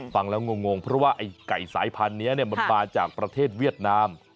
ฟังแล้วงงเพราะว่าไอ้ไก่สายพันธุ์นี้มันมาจากประเทศเวียดนาม